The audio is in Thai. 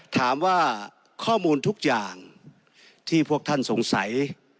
ถามว่าข้อมูลทุกอย่างที่พวกท่านสงสัย